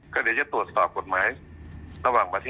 ก็เดี๋ยวจะตรวจสอบกฎหมายระหว่างประเทศ